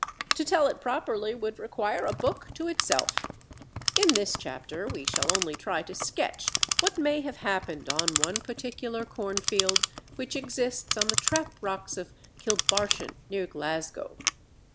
To tell it properly would require a book to itself. In this chapter we shall only try to sketch what may have happened on one particular cornfield which exists on the trap rocks of Kilbarchan, near Glasgow.